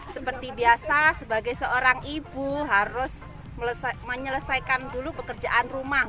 seperti biasa sebagai seorang ibu harus menyelesaikan dulu pekerjaan rumah